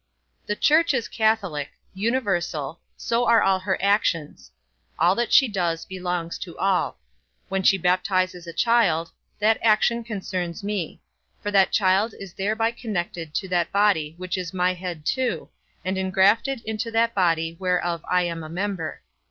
The church is Catholic, universal, so are all her actions; all that she does belongs to all. When she baptizes a child, that action concerns me; for that child is thereby connected to that body which is my head too, and ingrafted into that body whereof I am a member.